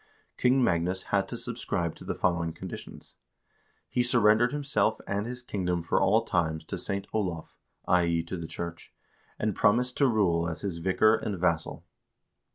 King Magnus had to subscribe to the follow ing conditions : He surrendered himself and his kingdom for all times to St. Olav (i.e. to the church), and promised to rule as his vicar and vassal.